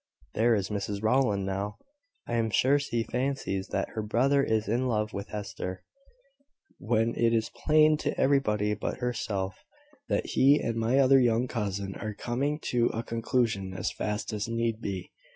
There is Mrs Rowland, now! I am sure she fancies that her brother is in love with Hester, when it is plain to everybody but herself that he and my other young cousin are coming to a conclusion as fast as need be.